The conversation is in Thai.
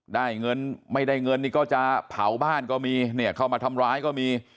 ได้เงินไม่ได้เงินนี่ก็จะเผาบ้านก็มีเนี่ยเข้ามาทำร้ายก็มี